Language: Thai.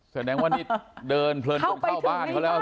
แสดงว่านี่เดินเพลินตรงเข้าบ้านเขาแล้ว